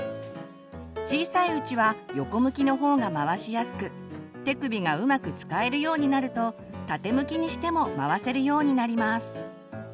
小さいうちは横向きの方が回しやすく手首がうまく使えるようになると縦向きにしても回せるようになります。